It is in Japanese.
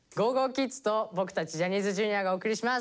ｋｉｄｓと僕たちジャニーズＪｒ．がお送りします。